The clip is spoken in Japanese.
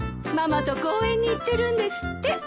ママと公園に行ってるんですって。